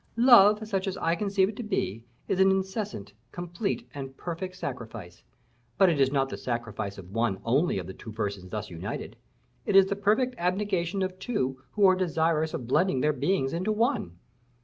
Love, such as I conceive it to be, is an incessant, complete, and perfect sacrifice; but it is not the sacrifice of one only of the two persons thus united. It is the perfect abnegation of two who are desirous of blending their beings into one.